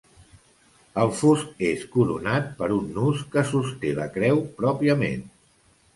El fust és coronat per un nus que sosté la creu pròpiament.